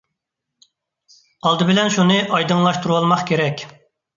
ئالدى بىلەن شۇنى ئايدىڭلاشتۇرۇۋالماق كېرەك.